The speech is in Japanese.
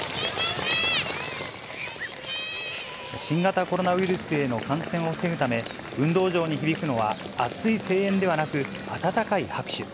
新型コロナウイルスへの感染を防ぐため、運動場に響くのは熱い声援ではなく、温かい拍手。